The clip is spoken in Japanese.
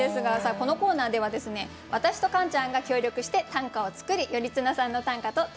このコーナーでは私とカンちゃんが協力して短歌を作り頼綱さんの短歌と対決するコーナーです。